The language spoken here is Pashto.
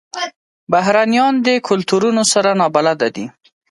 بهرنیان د کلتورونو سره نابلده دي.